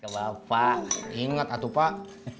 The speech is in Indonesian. kebapa ingat atu pak